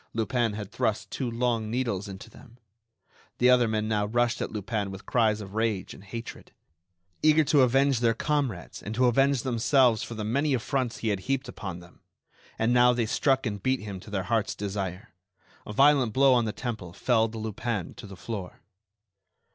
Lupin had thrust two long needles into them. The other men now rushed at Lupin with cries of rage and hatred, eager to avenge their comrades and to avenge themselves for the many affronts he had heaped upon them; and now they struck and beat him to their heart's desire. A violent blow on the temple felled Lupin to the floor.